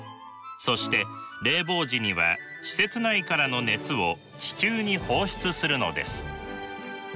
そして冷房時には施設内からの熱を地中に放出するのです。